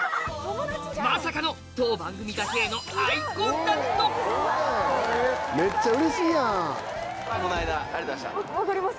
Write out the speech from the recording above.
まさかの当番組だけへのこの間ありがとうございました。